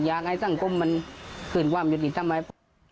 อยากให้สังคมมันคืนความยุติธรรมไหม